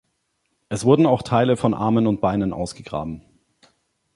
Es wurden auch Teile von Armen und Beinen ausgegraben.